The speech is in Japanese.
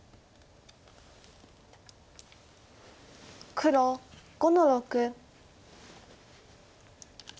黒５の六。